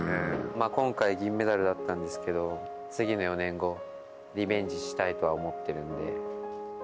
今回、銀メダルだったんですけど、次の４年後、リベンジしたいとは思ってるんで。